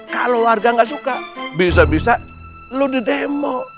kalau warga gak suka bisa bisa lu di demo